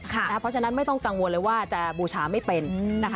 เพราะฉะนั้นไม่ต้องกังวลเลยว่าจะบูชาไม่เป็นนะคะ